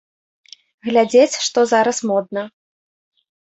Глядзець, што зараз модна.